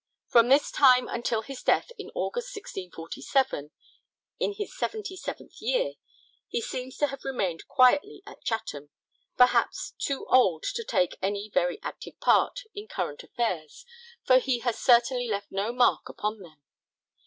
From this time until his death in August 1647, in his seventy seventh year, he seems to have remained quietly at Chatham, perhaps too old to take any very active part in current affairs, for he has certainly left no mark upon them.